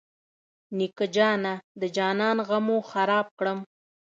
نیکه جانه د جانان غمو خراب کړم.